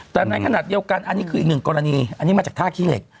แต่ในขณะเดียวกันอันนี้คืออีกหนึ่งกรณีอันนี้มาจากท่าขี้เหล็ก